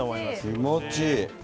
気持ちいい。